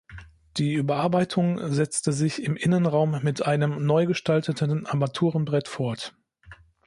Die Überarbeitung setzte sich im Innenraum mit einem neu gestalteten Armaturenbrett fort.